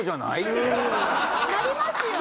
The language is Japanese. なりますよね？